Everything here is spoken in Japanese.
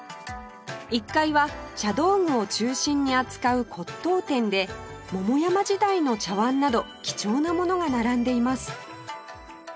１階は茶道具を中心に扱う骨董店で桃山時代の茶碗など貴重なものが並んでいます